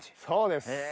そうです。